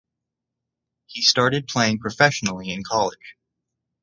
He started playing professionally in college.